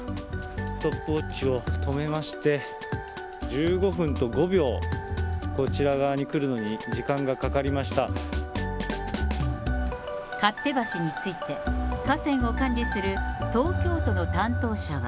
ストップウォッチを止めまして、１５分と５秒、こちら側に来るの勝手橋について、河川を管理する東京都の担当者は。